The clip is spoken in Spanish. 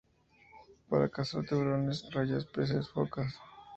Para cazar tiburones, rayas, peces, focas.